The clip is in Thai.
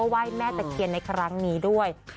ไหว้แม่ตะเคียนในครั้งนี้ด้วย